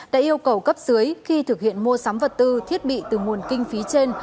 đã yêu cầu cấp dưới khi thực hiện mua sắm vật tư thiết bị từ nguồn kinh phí trên